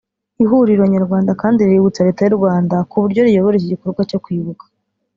Ihuriro Nyarwanda kandi riributsa Leta y’ u Rwanda ko uburyo riyobora iki gikorwa cyo kwibuka